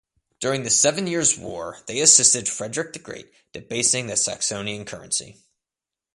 During the Seven Years' War they assisted Frederick the Great debasing the Saxonian currency.